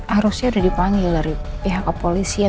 harusnya sudah dipanggil dari pihak kepolisian